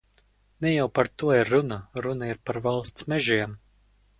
Ne jau par to ir runa, runa ir par valsts mežiem.